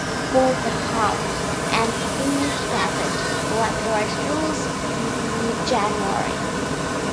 Both the House and Senate passed like resolutions by mid-January.